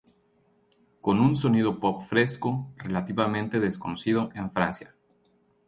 Con un sonido pop fresco, relativamente desconocido en Francia.